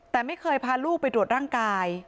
แต่ไม่เคยพาลูกไปตรวจร่างกาย